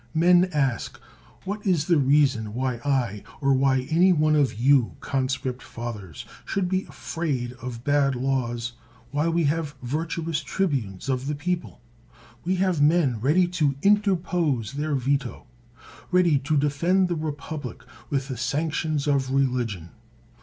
Men ask, what is the reason why I, or why any one of you, conscript fathers, should be afraid of bad laws while we have virtuous tribunes of the people? We have men ready to interpose their veto; ready to defend the republic with the sanctions of religion.